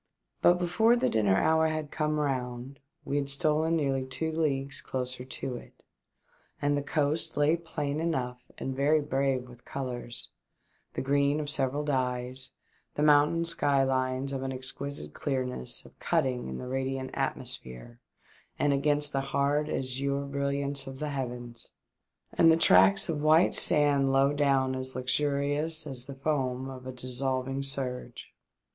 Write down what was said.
But before the dinner hour had come round we had stolen nearly two leagues closer to it, and the coast lay plain enough and very brave with colours, the green of several dyes, the mountain sky lines of an exquisite clearness of cutting in the radiant atmosphere and against the hard azure brilliance of the heavens, and the tracts of white sand low down as lustrous as the foam of a dissolving surge.